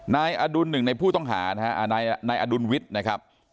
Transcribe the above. นายอดุลหนึ่งในผู้ต้องหานะฮะนายอดุลวิทย์นะครับ